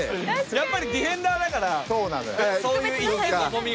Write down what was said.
やっぱりディフェンダーだからそういう意気込みがね。